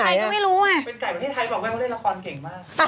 เป็นไก่ประเทศไทยบอกแวะว่าเล่นละครเก่งมาก